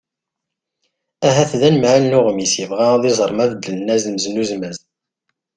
ahat d anemhal n uɣmis yebɣa ad iẓer ma beddlen azemz n uzmaz